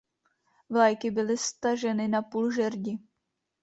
Vlajky byly staženy na půl žerdi.